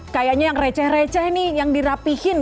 kayaknya yang receh receh nih yang dirapihin